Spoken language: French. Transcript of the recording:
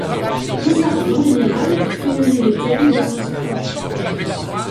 On s'arrange en général pour fusionner les termes de sens proches.